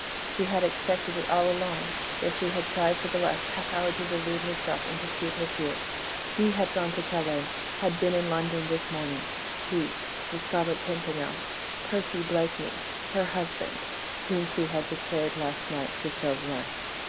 She had expected it all along, though she had tried for the last half hour to delude herself and to cheat her fears. He had gone to Calais, had been in London this morning ... he ... the Scarlet Pimpernel ... Percy Blakeney ... her husband ... whom she had betrayed last night to Chauvelin.